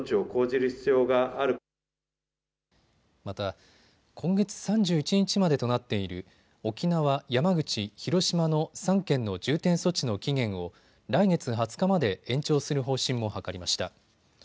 また今月３１日までとなっている沖縄、山口、広島の３県の重点措置の期限を来月２０日まで延長する方針も諮りました。